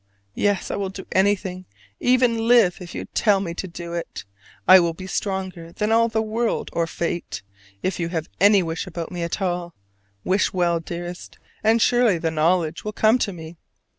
Yes, I will do anything, even live, if you tell me to do it. I will be stronger than all the world or fate, if you have any wish about me at all. Wish well, dearest, and surely the knowledge will come to me.